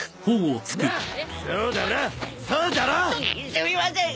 すみません。